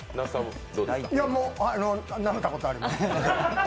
もう、なめたことあります。